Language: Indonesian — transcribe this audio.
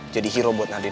jadi hero buat nadine